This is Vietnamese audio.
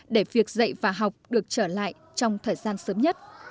để việc dạy và học được trở lại trong thời gian sớm nhất